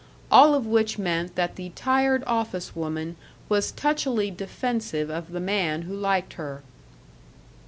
All of which meant that the tired office woman was touchily defensive of the man who liked her.